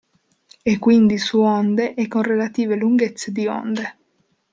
E quindi su onde e con relative lunghezze di onde.